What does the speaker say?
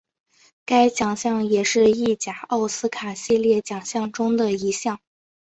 该奖项也是意甲奥斯卡系列奖项中的一项。